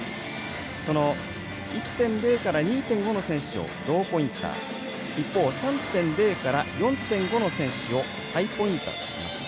その１．０から２．５の選手をローポインター一方、３．０から４．５の選手をハイポインターといいます。